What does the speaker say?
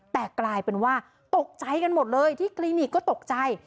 แต่กลายเป็นว่าตกใจกันหมดเลยที่คลินิกก็ตกใจ